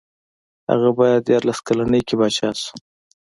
هغه په دیارلس کلنۍ کې پاچا شو.